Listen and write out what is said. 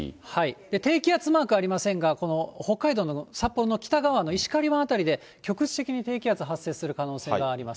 低気圧マークありませんが、この北海道の札幌の北側の石狩湾辺りで、局地的に低気圧発生する可能性があります。